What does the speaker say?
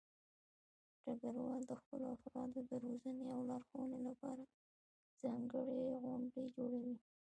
ډګروال د خپلو افرادو د روزنې او لارښودنې لپاره ځانګړې غونډې جوړوي.